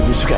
ibu suka ya